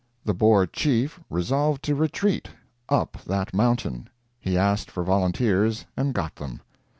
The Boer chief resolved to retreat up that mountain. He asked for volunteers, and got them.